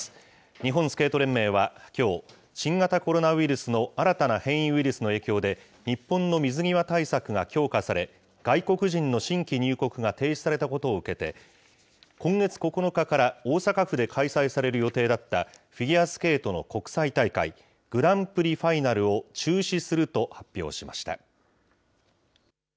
日本スケート連盟はきょう、新型コロナウイルスの新たな変異ウイルスの影響で、日本の水際対策が強化され、外国人の新規入国が停止されたことを受けて、今月９日から大阪府で開催される予定だったフィギュアスケートの国際大会、グランプリファイナルを中止すると発表しました。